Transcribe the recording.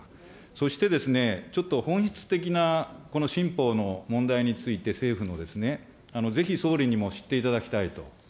そしてですね、ちょっと本質的な、この新法の問題について、政府のですね、ぜひ総理にも知っていただきたいと。